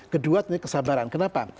kedua itu kesabaran kenapa